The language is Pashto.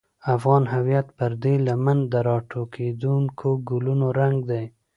افغان هویت پر دې لمن د راټوکېدونکو ګلونو رنګ دی.